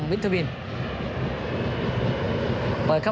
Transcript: ส่วนที่สุดท้ายส่วนที่สุดท้าย